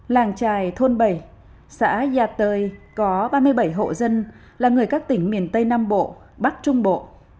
làng trài thôn bảy xã gia tơi có ba mươi bảy hộ dân là người các tỉnh miền tây nam bộ bắc trung bộ